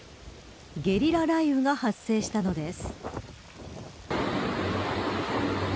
ゲリラ雷雨が発生したのです。